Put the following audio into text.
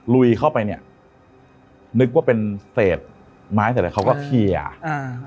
ลุยเข้าไปเนี้ยนึกว่าเป็นเศษไม้แต่เขาก็เขียอ่าอ่า